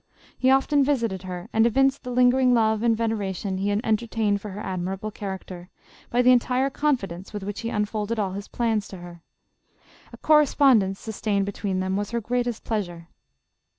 He often visited her and evinced the lingering love and veneration he entertained for her admirable character, by the entire confidence with which he unfolded all his plans to her. A correspondence, sustained between them, was her greatest pleasure.